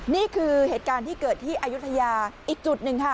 นี่คือเหตุการณ์ที่เกิดที่อายุทยาอีกจุดหนึ่งค่ะ